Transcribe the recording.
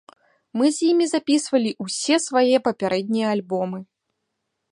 Мы з імі запісвалі ўсе свае папярэднія альбомы.